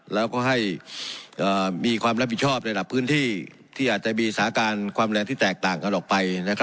แล้วก็ให้มีความรับผิดชอบในระดับพื้นที่ที่อาจจะมีสาการความแรงที่แตกต่างกันออกไป